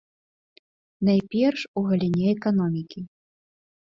Найперш, у галіне эканомікі.